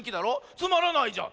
つまらないじゃん。